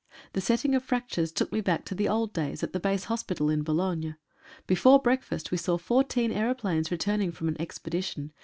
The setting of fractures took me back to the old days at the base hospital in Boulogne. Before breakfast we saw fourteen aeroplanes returning from an expedition.